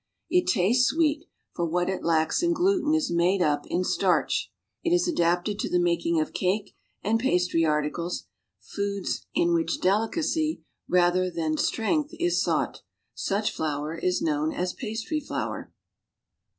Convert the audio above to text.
It tastes sweet, lacks in gluten is made up in is adapted to the making of and ])astry articles, foods which delicacy rather i,,, thanstrengthissouglit. ."^i^;. Such flour is known as pastry flour.